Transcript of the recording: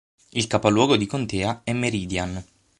Il capoluogo di contea è Meridian.